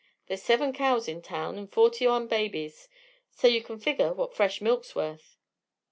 There's seven cows in town, 'n' forty one babies, so yeh kin figger what fresh milk's worth."